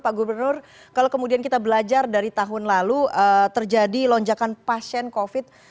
pak gubernur kalau kemudian kita belajar dari tahun lalu terjadi lonjakan pasien covid